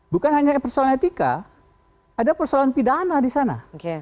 bukan hanya persoalan etika ada persoalan pidana di sana